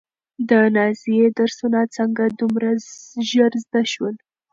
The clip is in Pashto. د نازيې درسونه څنګه دومره ژر زده شول؟